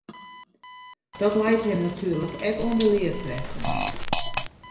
Dat leit him natuerlik ek oan de learkrêften.